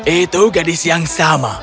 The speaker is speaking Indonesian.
itu gadis yang sama